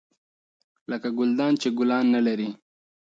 لکه ګلدان چې ګلان نه لري .